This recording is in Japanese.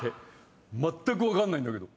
まったく分かんないんだけど。